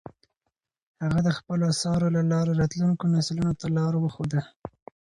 هغه د خپلو اثارو له لارې راتلونکو نسلونو ته لار وښوده.